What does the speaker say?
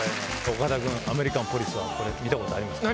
岡田君アメリカンポリスは見たことありますか？